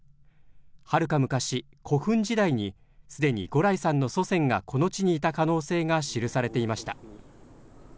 はるか昔、古墳時代にすでに五耒さんの祖先がこの地にいた可能性が記されていました。